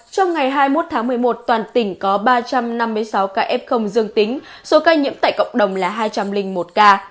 trong ngày hai mươi một tháng một mươi một toàn tỉnh có ba trăm năm mươi sáu ca f dương tính số ca nhiễm tại cộng đồng là hai trăm linh một ca